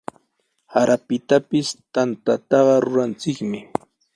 Sarapitapis tantaqa ruranchikmi.